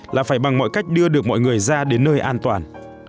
là phải bằng mọi cách đưa được mọi người ra đến nơi an toàn